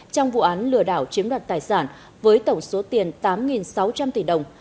trong vụ án lừa đảo chiếm đoạt tài sản với tổng số tiền tám sáu trăm linh tỷ đồng